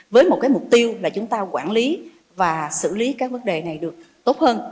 với một cái mục tiêu là chúng ta quản lý và xử lý các vấn đề này được tốt hơn